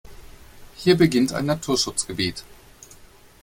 Hier beginnt ein Naturschutzgebiet.